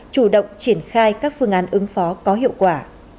chủ động triển khai các phương án ứng phó có hiệu quả